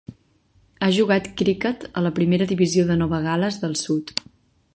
Ha jugat criquet a la primera divisió de Nova Gal·les del Sud.